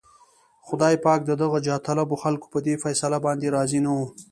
خدای پاک د دغو جاهطلبو خلکو په دې فيصله باندې راضي نه و.